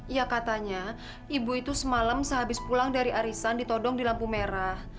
ya katanya ibu itu semalam sehabis pulang dari arisan ditodong di lampu merah